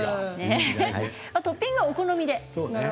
トッピングはお好みで。